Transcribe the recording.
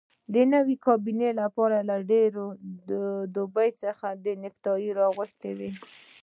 د نوې کابینې لپاره ډېرو له دوبۍ څخه نیکټایي راغوښتي وې.